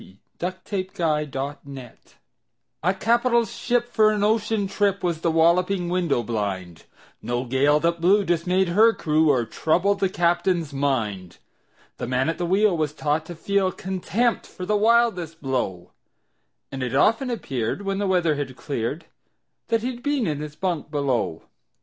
Y Z A Nautical Ballad A CAPITAL ship for an ocean trip Was The Walloping Window blind No gale that blew dismayed her crew Or troubled the captain's mind. The man at the wheel was taught to feel Contempt for the wildest blow, And it often appeared, when the weather had cleared, That he'd been in his bunk below.